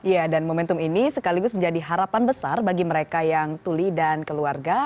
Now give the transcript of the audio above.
ya dan momentum ini sekaligus menjadi harapan besar bagi mereka yang tuli dan keluarga